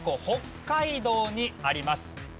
北海道にあります。